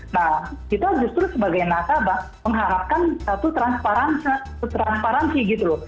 nah kita justru sebagai nasabah mengharapkan satu transparansi gitu loh